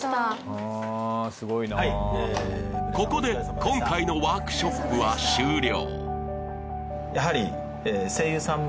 ここで今回のワークショップは終了